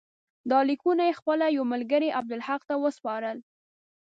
دا لیکونه یې خپل یوه ملګري عبدالحق ته وسپارل.